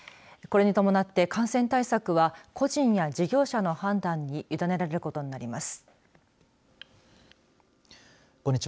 これに伴って感染対策は個人や事業者の判断に委ねられることになります。